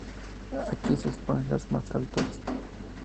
Aquí se exponen los más habituales.